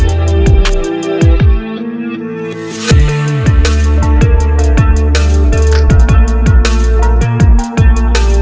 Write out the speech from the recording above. oke oke berserah berasa itunya